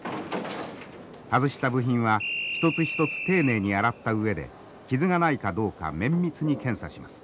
外した部品は一つ一つ丁寧に洗った上で傷がないかどうか綿密に検査します。